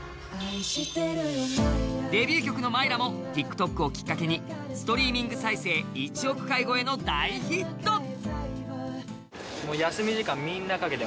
デビュー曲の「Ｍｙｒａ」もＴｉｋＴｏｋをきっかけにストリーミング再生１億回超えの大ヒット。